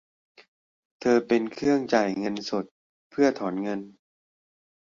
เธอใช้เครื่องจ่ายเงินสดเพื่อถอนเงิน